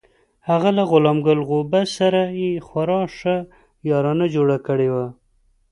هغه له غلام ګل غوبه سره یې خورا ښه یارانه جوړه کړې وه.